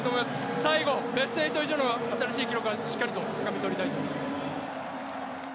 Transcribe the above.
最後、ベスト８以上の新しい記録をしっかりとつかみ取りたいと思います。